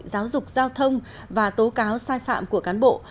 giáo dục giao thông và tố cáo sai phạm của cán bộ